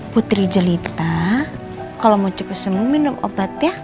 putri jelita kalau mau cukup sembuh minum obat ya